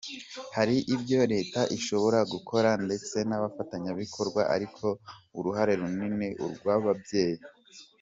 Hari ibyo Leta ishobora gukora ndetse n’abafatanyabikorwa ariko uruhare runini ni urw’ababyeyi.